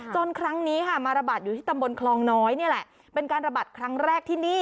ครั้งนี้ค่ะมาระบาดอยู่ที่ตำบลคลองน้อยนี่แหละเป็นการระบาดครั้งแรกที่นี่